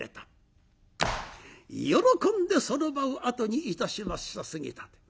喜んでその場を後にいたしました杉立。